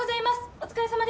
お疲れさまです！